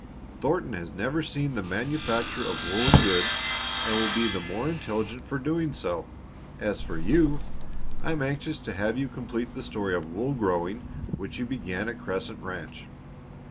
Thornton has never seen the manufacture of woolen goods and will be the more intelligent for doing so; as for you, I am anxious to have you complete the story of wool growing which you began at Crescent Ranch.